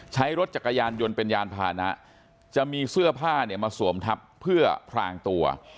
ใช้รถจักรยานยนต์เป็นยานพานะจะมีเสื้อผ้าเนี่ยมาสวมทับเพื่อพรางตัว